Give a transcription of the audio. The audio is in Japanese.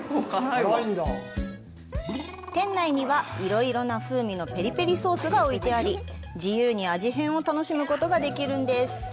店内にはいろいろな風味のペリペリソースが置いてあり、自由に味変を楽しむことができるんです。